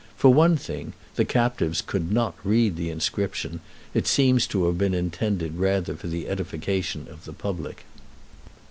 For one thing, the captives could not read the inscription; it seems to have been intended rather for the edification of the public.